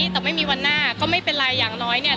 แต่ไม่มีวันหน้าก็ไม่เป็นไรอย่างน้อยเนี่ย